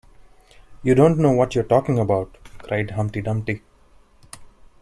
‘You don’t know what you’re talking about!’ cried Humpty Dumpty.